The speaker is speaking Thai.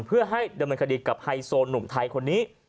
เพื่อให้ดำเนินคดีกับไฮโซหนุ่มไทยคนนี้